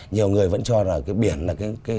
nhiều người vẫn cho rằng là cái biển là